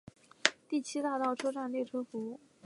第七大道车站列车服务。